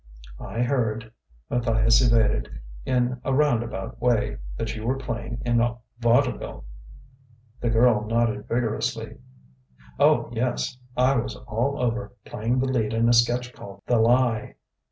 "I heard," Matthias evaded "in a roundabout way that you were playing in vaudeville." The girl nodded vigorously. "Oh, yes; I was all over, playing the lead in a sketch called 'The Lie.'